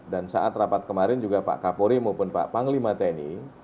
dan saat rapat kemarin juga pak kapori maupun pak panglima tni